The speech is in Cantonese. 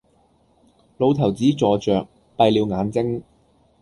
老頭子坐着，閉了眼睛，